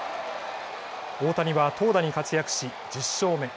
大谷は投打に活躍し１０勝目。